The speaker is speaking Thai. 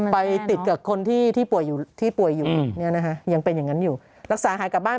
ไปติดกับคนที่โบยอยู่ที่โบราณนะฮะยังเป็นอย่างนั้นอยู่และสามารถกลับบ้าน